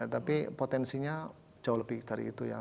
tapi potensinya jauh lebih dari itu ya